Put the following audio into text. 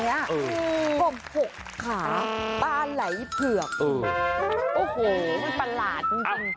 อืมกบหกขาตาไหลเผือกอืมโอ้โหมันประหลาดจริงจริง